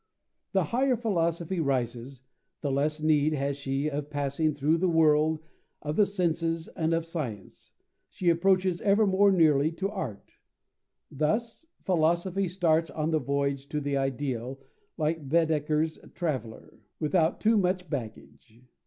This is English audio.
The higher Philosophy rises, the less need has she of passing through the world of the senses and of science: she approaches ever more nearly to art. Thus Philosophy starts on the voyage to the ideal, like Baedeker's traveller, "without too much baggage."